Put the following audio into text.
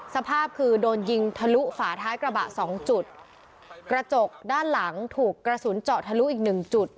สภาพคือโดนยิงทะลุฝาท้ายกระบะสองจุดกระจกด้านหลังถูกกระสุนเจาะทะลุอีกหนึ่งจุด